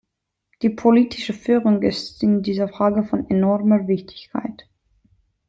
Die politische Führung ist in dieser Frage von enormer Wichtigkeit.